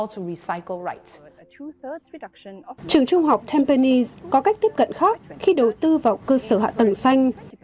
trường trung học tampines có cách tiếp cận khác khi đầu tư vào cơ sở hạ tầng xanh